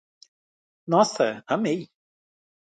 Nossa, amei!